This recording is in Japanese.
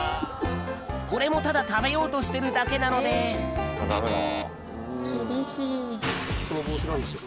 これもただ食べようとしてるだけなので厳しい。